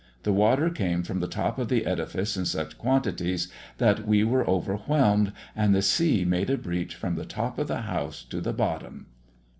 The water came from the top of the edifice in such quantities that we were overwhelmed, and the sea made a breach from the top of the house to the bottom."